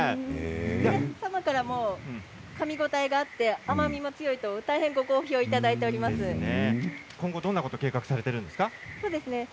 お客様からもかみ応えがあって甘みも強いと大変今後、どんなことを計画していますか。